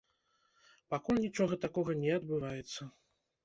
Пакуль нічога такога не адбываецца.